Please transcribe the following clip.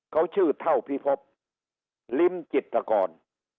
เขาชื่อเท่าพิพบลิ้มจิตกร